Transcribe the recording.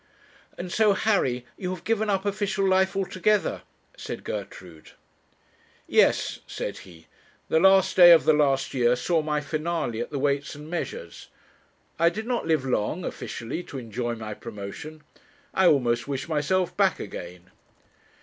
'And so, Harry, you have given up official life altogether,' said Gertrude. 'Yes,' said he 'the last day of the last year saw my finale at the Weights and Measures. I did not live long officially to enjoy my promotion. I almost wish myself back again.'